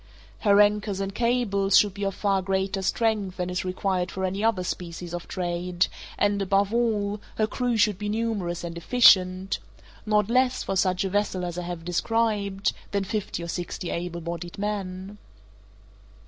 Her anchors and cables should be of far greater strength than is required for any other species of trade, and, above all, her crew should be numerous and efficient—not less, for such a vessel as I have described, than fifty or sixty able bodied men.